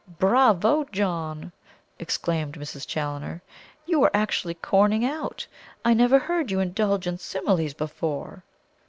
"Bravo, John!" exclaimed Mrs. Challoner. "You are actually corning out! I never heard you indulge in similes before."